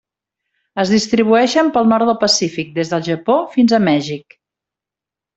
Es distribueixen pel nord del Pacífic, des del Japó fins a Mèxic.